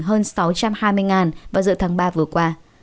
hơn sáu trăm hai mươi vào giữa tháng ba vừa qua